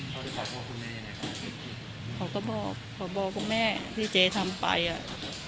เขาได้บอกพวกคุณแม่ยังไงคะเขาก็บอกขอบอกพวกแม่ที่เจ๊ทำไปอ่ะ